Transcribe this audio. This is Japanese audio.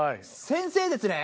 先生ですね。